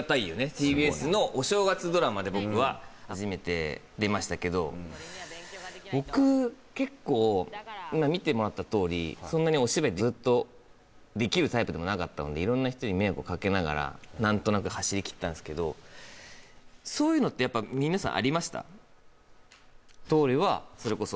ＴＢＳのお正月ドラマで僕は初めて出ましたけど僕結構今見てもらったとおりそんなにお芝居ずっとできるタイプでもなかったので色んな人に迷惑をかけながら何となく走りきったんすけどそういうのってやっぱ皆さんありました？